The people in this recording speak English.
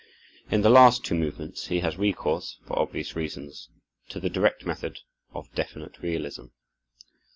In the last two movements he has recourse, for obvious reasons, to the direct method of definite realism.